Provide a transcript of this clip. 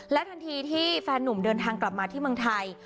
ทันทีที่แฟนหนุ่มเดินทางกลับมาที่เมืองไทย